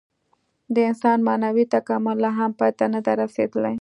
د انسان معنوي تکامل لا هم پای ته نهدی رسېدلی.